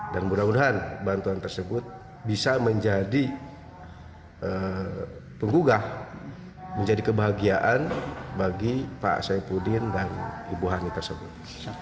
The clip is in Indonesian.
dan mudah mudahan bantuan tersebut bisa menjadi penggugah menjadi kebahagiaan bagi pak saipudin dan ibu hany tersebut